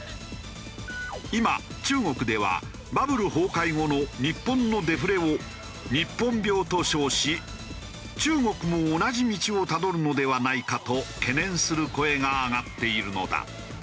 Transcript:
今中国ではバブル崩壊後の日本のデフレを「日本病」と称し中国も同じ道をたどるのではないかと懸念する声が上がっているのだ。